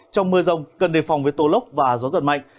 trong mưa rông cần đề phòng với tô lốc và gió giật mạnh